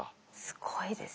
すごいです。